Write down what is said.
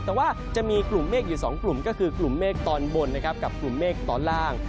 แต่ว่าจะมีกลุ่มเมฆอยู่๒กลุ่มก็คือกลุ่มเมฆตอนบนนะครับกับกลุ่มเมฆตอนล่าง